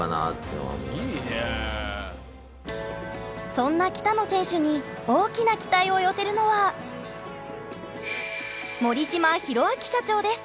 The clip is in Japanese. そんな北野選手に大きな期待を寄せるのは森島寛晃社長です。